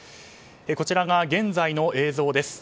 こちらが現在の映像です。